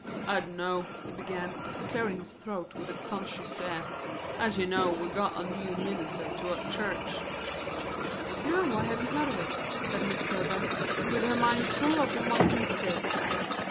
"I d'know," he began, after clearing his throat, with a conscious air, "as you know we'd got a new minister to our church." "No, I hadn't heard of it," said Miss Kilburn, with her mind full of the monument still.